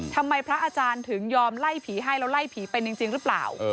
พระอาจารย์ถึงยอมไล่ผีให้แล้วไล่ผีเป็นจริงหรือเปล่า